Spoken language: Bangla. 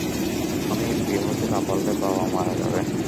আমি এমপি হতে না পারলে, বাবা মারা যাবে।